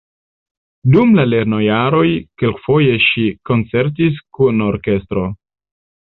Dum la lernojaroj kelkfoje ŝi koncertis kun orkestro.